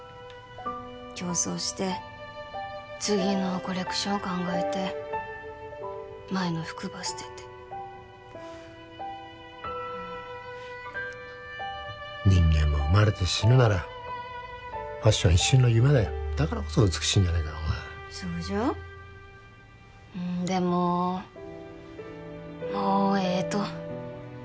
競争して次のコレクション考えて前の服ば捨てて人間も生まれて死ぬならファッションは一瞬の夢だよだからこそ美しいんじゃないかお前そうじゃうーんでももうええと